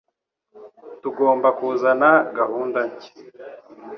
Tugomba kuzana gahunda nshya.